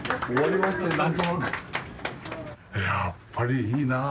やっぱりいいなあ。